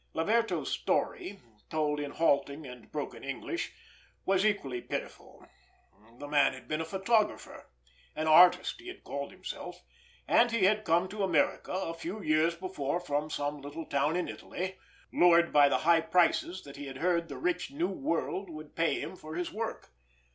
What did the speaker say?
Laverto's story, told in halting and broken English, was equally pitiful. The man had been a photographer, an artist he had called himself, and he had come to America a few years before from some little town in Italy, lured by the high prices that he had heard the rich New World would pay him for his work.